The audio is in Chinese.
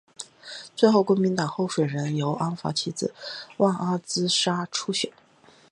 最后公正党候选人由安华妻子旺阿兹莎出选。